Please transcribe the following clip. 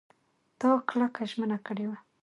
تا کلکه ژمنه کړې وه !